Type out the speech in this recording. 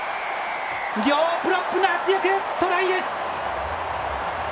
両プロップの圧力！トライです！